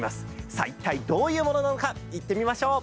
さあいったいどういうものなのか行ってみましょう。